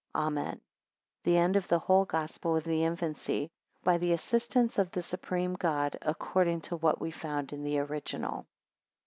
Amen. (The end of the whole Gospel of the Infancy, by the assistance of the Supreme God, according to what we found in the original.)